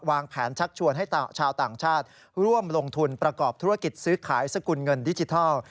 วางแผนชักชวนให้ชาวต่างชาติร่วมลงทุนประกอบธุรกิจซื้อขายสกุลเงินดิจิทัล